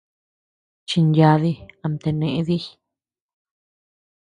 Chinyadi, amtea nee dii.